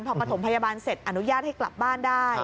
พอปฐมพยาบาลเสร็จอนุญาตให้กลับบ้านได้